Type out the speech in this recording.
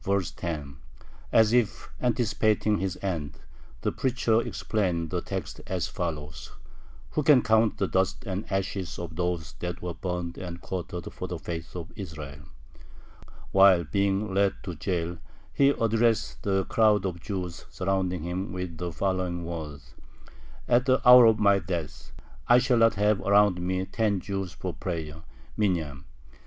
As if anticipating his end, the preacher explained the text as follows: "Who can count the dust and ashes of those that were burned and quartered for the faith of Israel?" While being led to jail, he addressed the crowd of Jews surrounding him with the following words: "At the hour of my death I shall not have around me ten Jews for prayer (minyan).